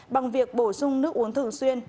bằng việc bổ sung nước uống thường xuyên